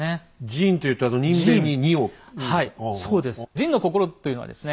仁の心というのはですね